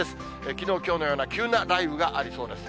きのう、きょうのような、急な雷雨がありそうです。